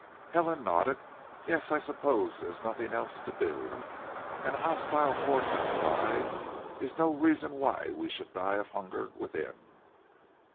Helen nodded. "Yes, I suppose there is nothing else to do; and a hostile force outside is no reason why we should die of hunger within."